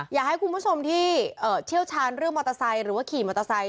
อยากให้คุณผู้ชมที่เชี่ยวชาญเรื่องมอเตอร์ไซค์หรือว่าขี่มอเตอร์ไซค